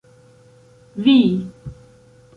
vi